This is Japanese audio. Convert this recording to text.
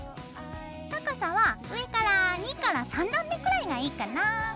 高さは上から２から３段目くらいがいいかな。